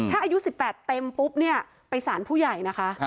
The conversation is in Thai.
ถ้าอายุ๑๘เต็มปุ๊บเนี่ยไปสารผู้ใหญ่นะคะ